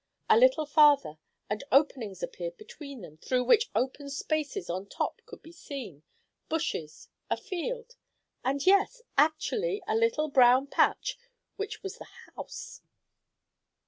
A little farther, and openings appeared between them, through which open spaces on top could be seen, bushes, a field, and yes, actually! a little brown patch, which was a house.